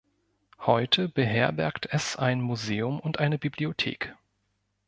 Heute beherbergt es ein Museum und eine Bibliothek.